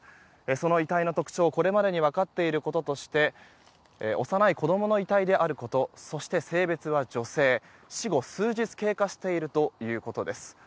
その遺体の特徴、これまでに分かっていることとして幼い子供の遺体であることそして、性別は女性死後、数日経過しているということです。